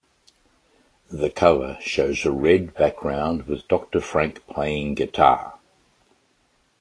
The cover shows a red background with Doctor Frank playing guitar.